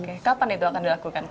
oke kapan itu akan dilakukan